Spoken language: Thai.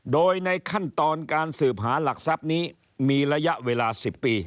โดยในขั้นตอนการสืบหาหลักทรัพย์นี้มีระยะเวลา๑๐ปี